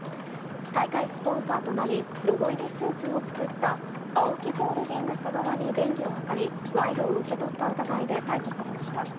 大会スポンサーとなりロゴ入りスーツも作ったＡＯＫＩホールディングス側に便宜を図り賄賂を受け取った疑いで逮捕されました。